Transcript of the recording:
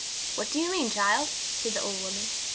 'What do you mean, child?' said the old woman.